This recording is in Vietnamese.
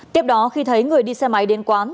tiếp đó khi thấy người đi xe máy đến quán